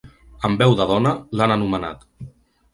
Amb veu de dona, l’han anomenat.